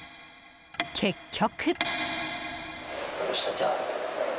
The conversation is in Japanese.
結局。